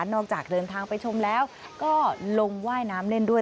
จากเดินทางไปชมแล้วก็ลงว่ายน้ำเล่นด้วย